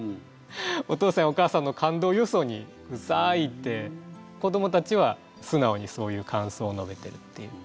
お父さんやお母さんの感動をよそに「くさい」って子どもたちは素直にそういう感想を述べてるっていう。